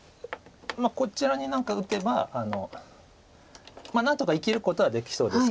こちらに何か打てば何とか生きることはできそうですけども。